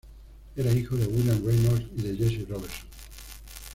Era hijo de William Reynolds y de Jessie Robertson.